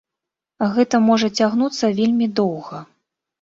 Гэта можа цягнуцца вельмі доўга.